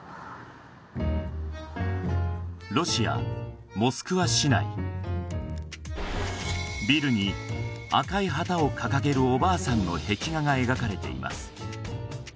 ロシアモスクワ市内ビルに赤い旗を掲げるおばあさんの壁画が描かれています